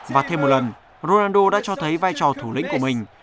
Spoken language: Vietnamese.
và thêm một lần ronaldo đã cho thấy vai trò thủ lĩnh của mình